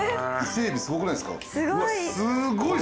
すごい。